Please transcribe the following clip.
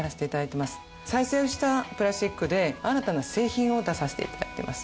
再生したプラスチックで新たな製品を出させて頂いています。